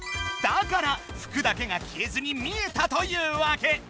だから服だけが消えずに見えたというわけ！